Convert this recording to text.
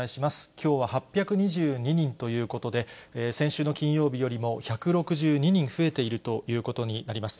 きょうは８２２人ということで、先週の金曜日よりも１６２人増えているということになります。